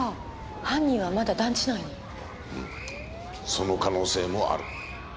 その可能性もある。